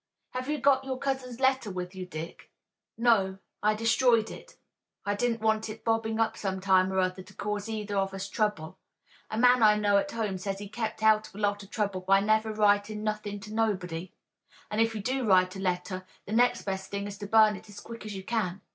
Have you got your cousin's letter with you, Dick?" "No, I destroyed it. I didn't want it bobbing up some time or other to cause either of us trouble. A man I know at home says he's kept out of a lot of trouble by 'never writin' nothin' to nobody.' And if you do write a letter the next best thing is to burn it as quick as you can."